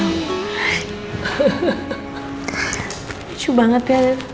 lucu banget ya